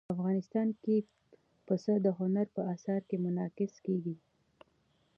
افغانستان کې پسه د هنر په اثار کې منعکس کېږي.